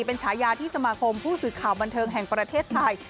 เป็นฉายาที่สมาคมผู้สื่อข่าวบันเทิงแห่งประเทศไทย